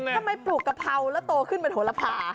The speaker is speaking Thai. ถ้าไม่ปลูกกระเภาแล้วโตขึ้นเป็นน่าโหระพา